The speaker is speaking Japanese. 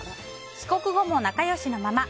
帰国後も仲良しのまま